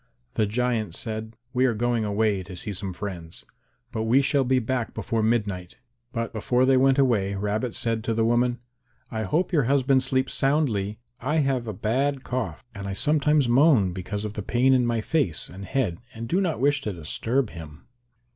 The giant said, "We are going away to see some friends, but we shall be back before midnight." But before they went away Rabbit said to the woman, "I hope your husband sleeps soundly; I have a bad cough and I sometimes moan because of the pain in my face and head and I do not wish to disturb him."